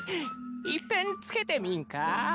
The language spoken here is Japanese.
いっぺんつけてみんかぁ？